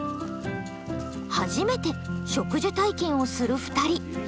初めて植樹体験をする２人。